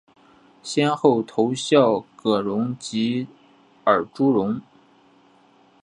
先后投效葛荣及尔朱荣。